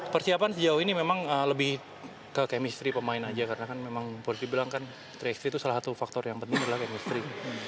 persiapan sejauh ini memang lebih ke kemistri pemain saja karena kan memang boleh dibilangkan tiga x tiga itu salah satu faktor yang penting adalah kemistri